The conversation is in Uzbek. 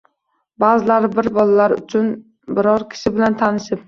Baʼzi bir bolalar uchun biror kishi bilan tanishib